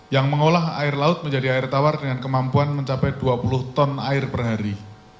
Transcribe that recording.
yang mengolah air laut menjadi air tawar dengan kemampuan mencapai dua puluh ton air per hari